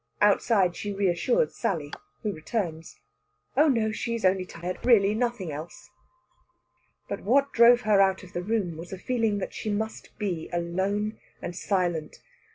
Outside she reassures Sally, who returns. Oh no, she is only tired; really nothing else. But what drove her out of the room was a feeling that she must be alone and silent.